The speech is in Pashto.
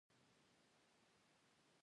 ځکه خو یې نورو ته هم احترام نه درلود.